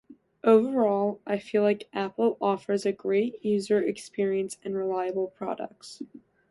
Overall, I feel like Apple offers a great user experience and reliable products.